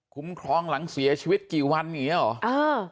ครองหลังเสียชีวิตกี่วันอย่างนี้หรอ